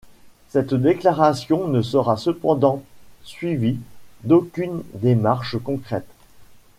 Cette déclaration ne sera cependant suivie d'aucune démarche concrète.